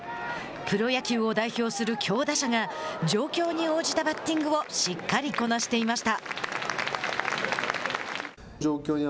プロ野球を代表する強打者が状況に応じたバッティングをしっかりこなしていました。